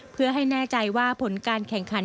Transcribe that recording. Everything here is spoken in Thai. เพื่อให้แน่ใจว่าผลการแข่งขัน